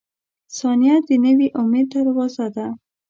• ثانیه د نوي امید دروازه ده.